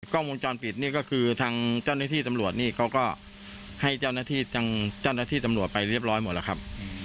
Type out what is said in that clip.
กล้องวงจรปิดนี่ก็คือทางเจ้าหน้าที่ตำรวจนี่เขาก็ให้เจ้าหน้าที่ตำรวจไปเรียบร้อยหมดแล้วครับ